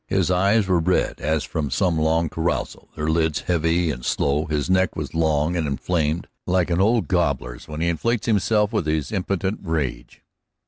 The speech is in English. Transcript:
His eyes were red, as from some long carousal, their lids heavy and slow, his neck was long, and inflamed like an old gobbler's when he inflates himself with his impotent rage.